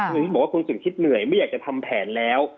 คุณสมคิตบอกว่าคุณสมคิตเหนื่อยไม่อยากจะทำแผนแล้ว